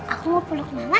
aku mau puluk mama